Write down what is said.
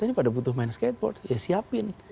ya muda kita pada butuh main skateboard ya siapin